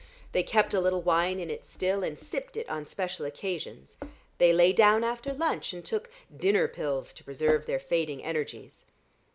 They kept a little wine in it still and sipped it on special occasions. They lay down after lunch and took dinner pills to preserve their fading energies.